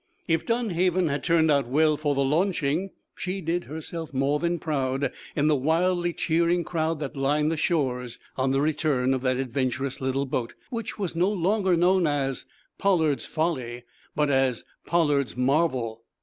If Dunhaven had turned out well for the launching, she did herself more than proud in the wildly cheering crowd that lined the shores on the return of that adventurous little boat, which was no longer known as "Pollard's Folly," but as "Pollard's Marvel."